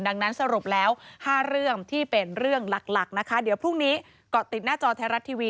ดังนั้นสรุปแล้ว๕เรื่องที่เป็นเรื่องหลักหลักนะคะเดี๋ยวพรุ่งนี้เกาะติดหน้าจอไทยรัฐทีวี